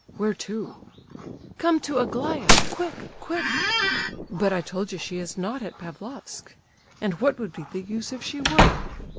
"Where to?" "Come to Aglaya—quick, quick!" "But I told you she is not at Pavlofsk. And what would be the use if she were?"